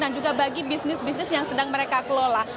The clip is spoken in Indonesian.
dan juga bagi bisnis bisnis yang sedang mereka kelola